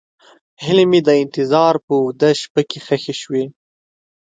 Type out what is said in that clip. هیلې مې د انتظار په اوږده شپه کې ښخې شوې.